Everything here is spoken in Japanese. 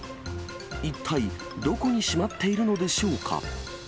一体どこにしまっているのでしょうか。